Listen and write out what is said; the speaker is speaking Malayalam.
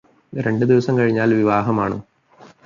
രണ്ടു ദിവസം കഴിഞ്ഞാൽ വിവാഹമാണ്